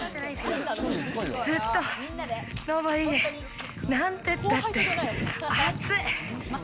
ずっと上りでなんてったって暑い。